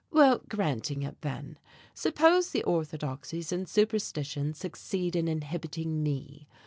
"Well, granting it, then. Suppose the orthodoxies and superstitions succeed in inhibiting me.